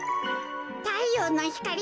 たいようのひかり